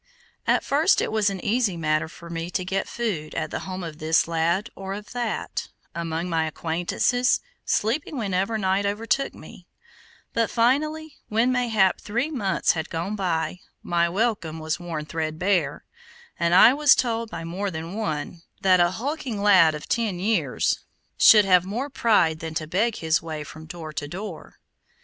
At first it was an easy matter for me to get food at the home of this lad, or of that, among my acquaintances, sleeping wherever night overtook me; but, finally, when mayhap three months had gone by, my welcome was worn threadbare, and I was told by more than one, that a hulking lad of ten years should have more pride than to beg his way from door to door.